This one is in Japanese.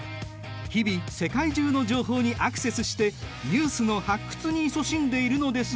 日々世界中の情報にアクセスしてニュースの発掘にいそしんでいるのですが。